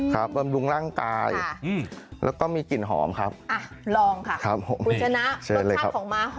ข้างบัวแห่งสันยินดีต้อนรับทุกท่านนะครับ